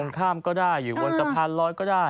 ฝั่งตรงข้ามก็ได้อยู่กว่าสะพานร้อยก็ได้